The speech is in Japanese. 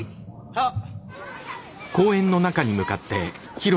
はっ！